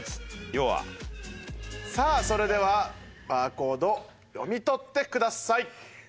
さあそれではバーコード読み取ってください。